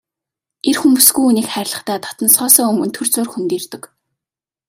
Эр хүн бүсгүй хүнийг хайрлахдаа дотносохоосоо өмнө түр зуур хөндийрдөг.